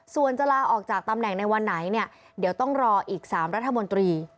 ส่วนจะลาออกจากตำแหน่งในวันไหนเนี่ยเดี๋ยวต้องรออีก๓รัฐมนตรี